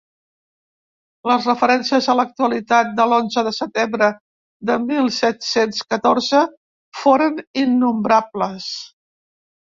Les referències a l’actualitat de l’onze de setembre de mil set-cents catorze foren innombrables.